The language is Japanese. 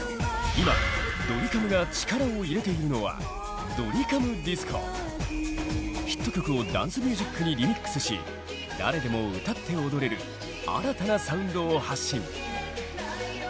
今ドリカムが力を入れているのはヒット曲をダンスミュージックにリミックスし誰でも歌って踊れる新たなサウンドを発信。